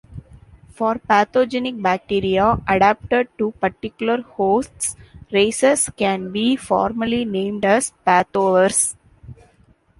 For pathogenic bacteria adapted to particular hosts, races can be formally named as pathovars.